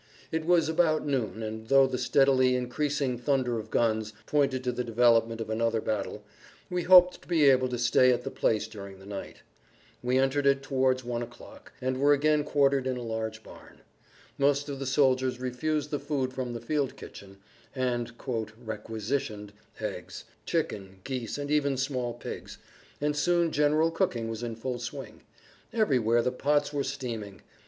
It was about noon, and though the steadily increasing thunder of guns pointed to the development of another battle, we hoped to be able to stay at the place during the night. We entered it towards one o'clock, and were again quartered in a large barn. Most of the soldiers refused the food from the field kitchen, and "requisitioned" eggs, chicken, geese, and even small pigs, and soon general cooking was in full swing.[Pg 34] Everywhere the pots were steaming.